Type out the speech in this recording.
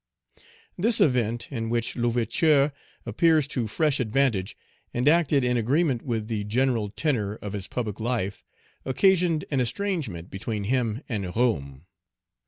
This event, in which L'Ouverture appears to fresh advantage, and acted in agreement with the general tenor of his public life, occasioned an estrangement between him and Roume.